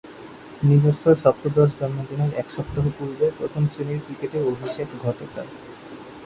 নিজস্ব সপ্তদশ জন্মদিনের এক সপ্তাহ পূর্বে প্রথম-শ্রেণীর ক্রিকেটে অভিষেক ঘটে তার।